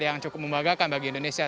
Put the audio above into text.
yang cukup membagakan bagi indonesia